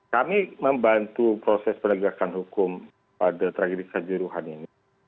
kami membantu proses penegakan hukum pada tragedi kejuruhan ini